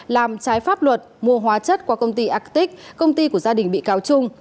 làm trái pháp luật mua hóa chất qua công ty agtic công ty của gia đình bị cáo trung